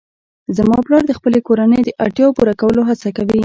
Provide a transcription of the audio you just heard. زما پلار د خپلې کورنۍ د اړتیاوو پوره کولو هڅه کوي